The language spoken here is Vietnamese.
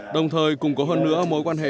đồng thời củng cố hơn nữa mối quan hệ